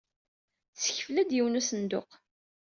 Tessekfel-d yiwen n usenduq.